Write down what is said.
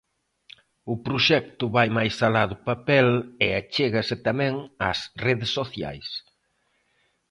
O proxecto vai máis alá do papel e achégase tamén ás redes sociais.